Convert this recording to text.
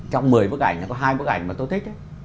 trong một mươi bức ảnh có hai bức ảnh mà tôi thích đấy